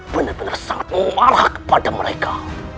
benar benar sangat marah kepada mereka